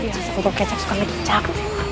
biasa botol kecap suka lecak